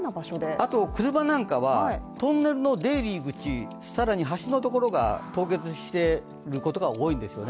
あと車なんかはトンネルの出入り口、更に橋のところが凍結していることが多いんですね。